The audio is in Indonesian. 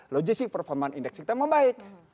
logistik performa indeks kita membaik